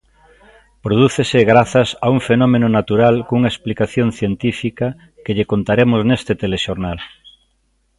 Prodúcese grazas a un fenómeno natural cunha explicación científica que lle contaremos neste Telexornal.